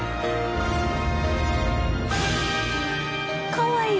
かわいい。